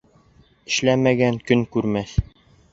Эшләмәгән көн күрмәҫ.